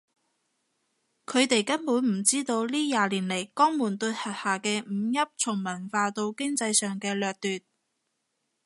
佢哋根本唔知道呢廿年嚟江門對轄下嘅五邑從文化到經濟上嘅掠奪